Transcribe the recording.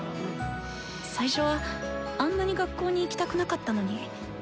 最初はあんなに学校に行きたくなかったのに。